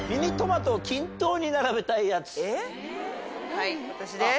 はい私です。